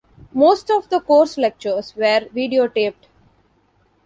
Most of the course lectures were videotaped.